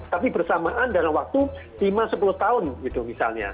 tapi bersamaan dalam waktu lima sepuluh tahun gitu misalnya